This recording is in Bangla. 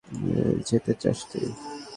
যেতে চাস তুই?